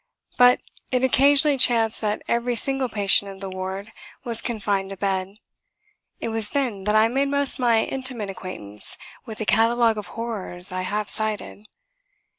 But it occasionally chanced that every single patient in the ward was confined to bed. It was then that I made my most intimate acquaintance with the catalogue of horrors I have cited.